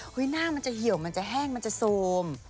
หน้ามันจะเหี่ยวมันจะแห้งมันจะโซม